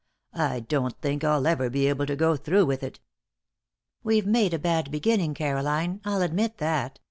"I don't think I'll ever be able to go through with it." "We've made a bad beginning, Caroline. I'll admit that.